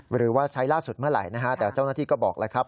หรือว่าใช้ล่าสุดเมื่อไหร่นะฮะแต่เจ้าหน้าที่ก็บอกแล้วครับ